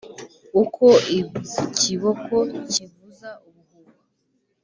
uko ikiboko kivuza ubuhuha